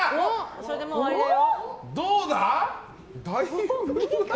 それでもう終わりだよ。